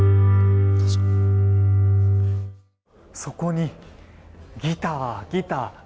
そこにギター、ギター。